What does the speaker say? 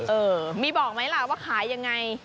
เออมีบอกไหมล่ะว่าขายยังไง